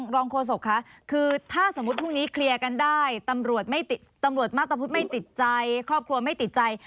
รองโฆษกค่ะคือถ้าสมมุติพรุ่งนี้เคลียร์กันได้ตำรวจมาตรภุตไม่ติดใจครอบครัวไม่ติดใจ